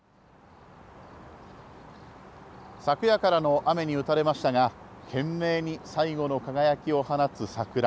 昨夜からの雨に打たれましたが、懸命に最後の輝きを放つ桜。